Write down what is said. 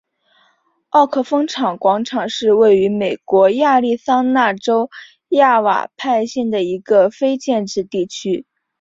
沃克风车广场是位于美国亚利桑那州亚瓦派县的一个非建制地区。